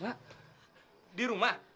mak di rumah